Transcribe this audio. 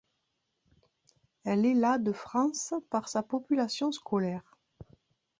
Elle est la de France par sa population scolaire.